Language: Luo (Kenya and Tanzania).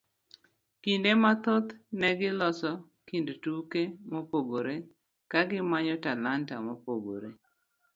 Kinde mathoth ne giloso kind tuke mopogore kagimanyo talanta mopogore.